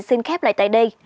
xin khép lại tại đây